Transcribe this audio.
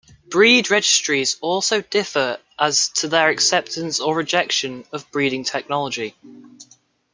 Breed registries also differ as to their acceptance or rejection of breeding technology.